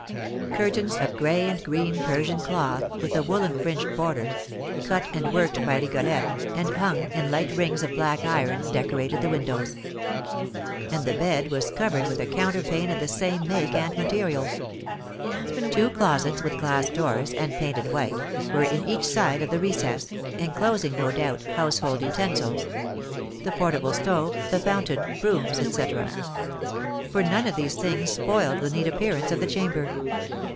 Curtains of gray and green Persian cloth, with a woollen fringed border, cut and worked by Rigolette, and hung in light rings of black iron, decorated the windows; and the bed was covered with a counterpane of the same make and material. Two closets, with glass doors, and painted white, were in each side of the recess, enclosing, no doubt, household utensils, the portable stove, the fountain, brooms, etc.; for none of these things spoiled the neat appearance of the chamber.